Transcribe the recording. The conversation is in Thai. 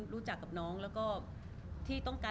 รูปนั้นผมก็เป็นคนถ่ายเองเคลียร์กับเรา